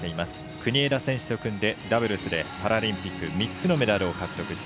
国枝選手と組んでダブルスで、パラリンピック３つのメダルを獲得。